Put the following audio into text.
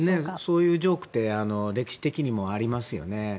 そういうジョークって歴史的にもありますよね。